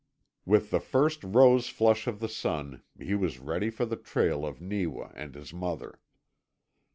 With the first rose flush of the sun he was ready for the trail of Neewa and his mother.